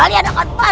akan segera tiba